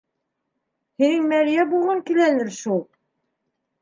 Һинең мәрйә булғың киләлер шул.